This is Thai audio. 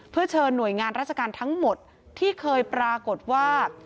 เพื่อเชิญหน่วยงานราชการทั้งหมดที่เคยปรากฏว่า